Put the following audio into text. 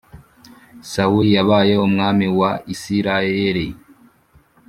sawuli yabaye umwami wa isiraheri